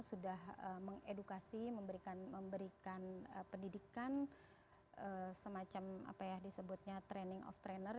sudah mengedukasi memberikan pendidikan semacam apa ya disebutnya training of trainer